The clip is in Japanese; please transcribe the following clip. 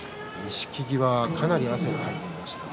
錦木はかなり汗をかいていました。